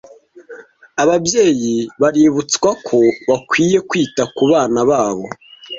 Ababyeyi baributwsa ko bakwiye kwita kubana babo.